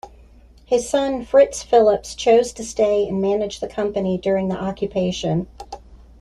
His son Frits Philips chose to stay and manage the company during the occupation.